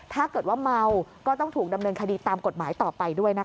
ถ้าเกิดว่าเมาก็ต้องถูกดำเนินคดีตามกฎหมายต่อไปด้วยนะคะ